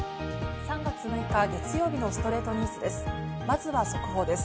３月６日、月曜日の『ストレイトニュース』です。